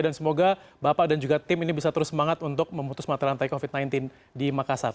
dan semoga bapak dan juga tim ini bisa terus semangat untuk memutus mata rantai covid sembilan belas di makassar